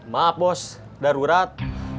maaf bos darurat